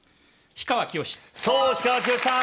氷川きよしさん